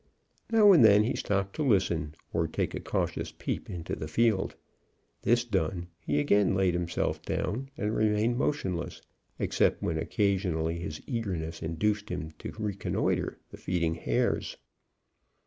Now and then he stopped to listen, or take a cautious peep into the field. This done, he again laid himself down, and remained motionless, except when occasionally his eagerness induced him to reconnoitre the feeding hares.